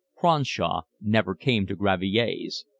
Cronshaw never came to Gravier's.